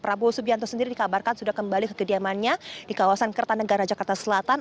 prabowo subianto sendiri dikabarkan sudah kembali ke kediamannya di kawasan kertanegara jakarta selatan